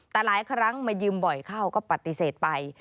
แต่หลายครั้งมายืมบ่อยเข้าก็ปฏิเสธไป